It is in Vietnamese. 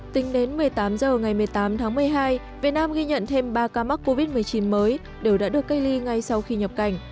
tính đến một mươi tám h ngày một mươi tám tháng một mươi hai việt nam ghi nhận thêm ba ca mắc covid một mươi chín mới đều đã được cách ly ngay sau khi nhập cảnh